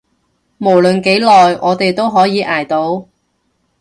無論幾耐，我哋都可以捱到